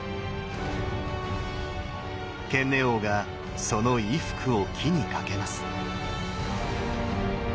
懸衣翁がその衣服を木にかけます。